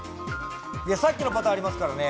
さっきのパターンありますからね。